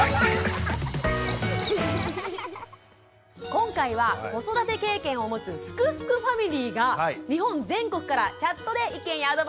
今回は子育て経験を持つすくすくファミリーが日本全国からチャットで意見やアドバイスをくれます。